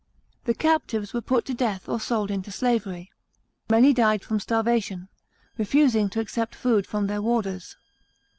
The captives were put to death or sold into slavery. Many died from starvation, refusing to accept food from their warders.